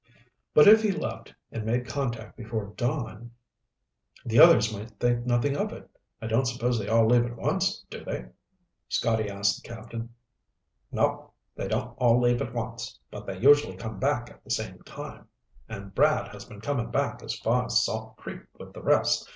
"But if he left and made contact before dawn, the others might think nothing of it. I don't suppose they all leave at once, do they?" Scotty asked the captain. "Nope. They don't all leave at once, but they usually come back at the same time. And Brad has been coming back as far as Salt Creek with the rest.